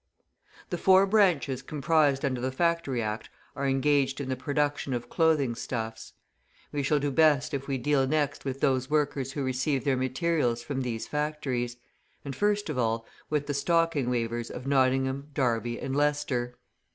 The four branches comprised under the Factory Act are engaged in the production of clothing stuffs. We shall do best if we deal next with those workers who receive their materials from these factories; and, first of all, with the stocking weavers of Nottingham, Derby, and Leicester.